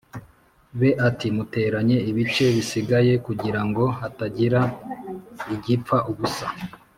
be ati muteranye ibice bisigaye kugira ngo hatagira igipfa ubusa